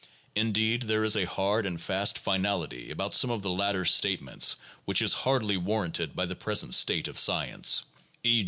Indeed, there is a hard and fast finality about some of the latter 's statements which is hardly warranted by the present state of science, e.